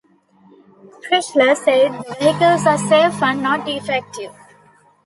Chrysler says the vehicles are safe and not defective.